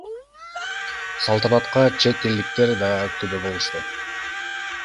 Салтанатка чет элдиктер да күбө болушту.